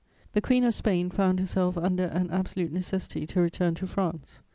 "The Queen of Spain found herself under an absolute necessity to return to France.